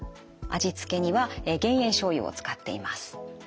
味付けには減塩しょうゆを使っています。